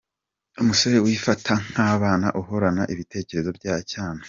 Umusore wifata nk’abana, uhorana ibitekerezo bya cyana.